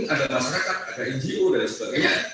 ada masyarakat ada ngo dan sebagainya